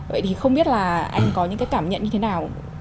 vậy thì không biết là anh có những cái cảm nhận như thế nào